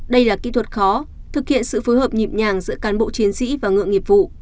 đây là kỹ thuật khó thực hiện sự phối hợp nhịp nhàng giữa cán bộ chiến sĩ và ngựa nghiệp vụ